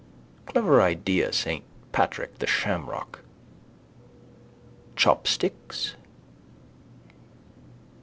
Clever idea Saint Patrick the shamrock. Chopsticks?